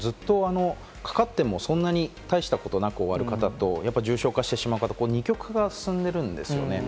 コロナはずっとかかっても大したことなく終わる方と、重症化してしまう方、二極化が進んでるんですね。